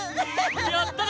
やったな！